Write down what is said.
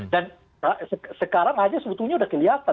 dan sekarang saja sebetulnya sudah kelihatan